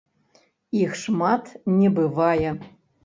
Іх шмат не бывае.